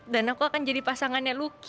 dan aku akan jadi pasangannya lucky